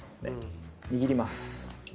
握ります。